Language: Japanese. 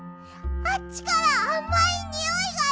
あっちからあまいにおいがする。